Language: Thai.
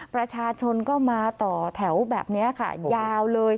ประชาชนก็มาต่อแถวแบบนี้ค่ะ